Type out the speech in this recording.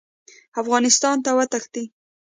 افغانستان ته وتښتي.